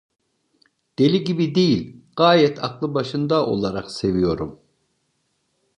Deli gibi değil, gayet aklı başında olarak seviyorum…